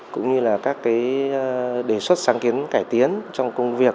cũng như là các đề xuất sáng kiến cải tiến trong công việc